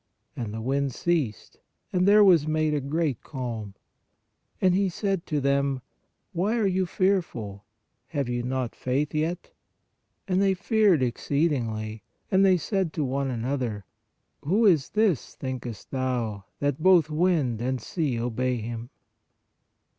And the wind ceased, and there was made a great calm. And He said to them: Why are you fearful? Have you not faith yet? And they feared exceedingly; and they said to one another: Who is this (thinkest thou) that both wind and sea obey Him